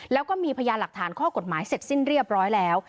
แล้วก็มีพยานหลักฐานข้อกฎหมายเสร็จสิ้นเรียบร้อยแล้ว